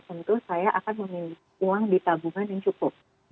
tentu saya akan memilih uang ditabungan yang cukup